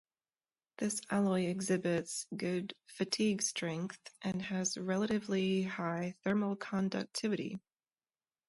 This alloy exhibits good fatigue strength and has relatively high thermal conductivity.